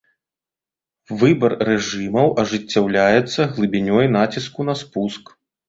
Выбар рэжымаў ажыццяўляецца глыбінёй націску на спуск.